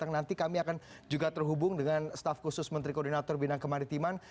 nanti kami akan juga terhubung dengan staff khusus menteri koordinator bina kemaritiman